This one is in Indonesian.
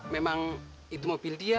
memang itu mobil dia